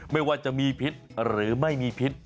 ไม่ว่าจะมีพิษหรือไม่มีพิษ